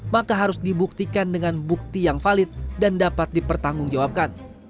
maka harus dibuktikan dengan bukti yang valid dan dapat dipertanggungjawabkan